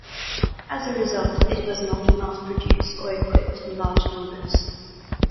As a result, it was not mass produced or equipped in large numbers.